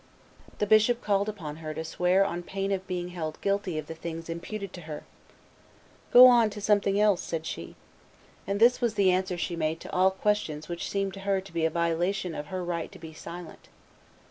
The bishop called upon her to swear on pain of being held guilty of the things imputed to her. [Illustration: Joan examined in Prison 128] "Go on to something else," said she. And this was the answer she made to all questions which seemed to her to be a violation of her right to be silent.